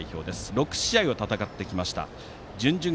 ６試合を戦ってきました。